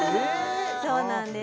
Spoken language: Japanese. そうなんです